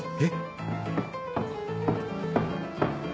えっ！？